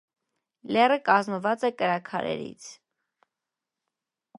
Լեռը կազմված է կրաքարերից։